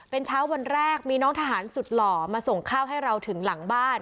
เป็นเช้าวันแรกมีน้องทหารสุดหล่อมาส่งข้าวให้เราถึงหลังบ้าน